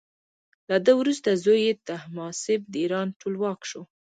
له ده وروسته زوی یې تهماسب د ایران ټولواک شو.